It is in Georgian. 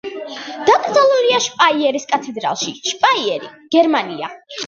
დაკრძალულია შპაიერის კათედრალში, შპაიერი, გერმანია.